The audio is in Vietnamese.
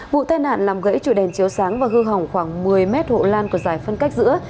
vụ tai nạn làm gãy chủ đèn chiếu sáng và hư hỏng khoảng một mươi mét hộ lan của giải phân cách giữa